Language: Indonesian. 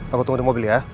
aku tunggu di mobil ya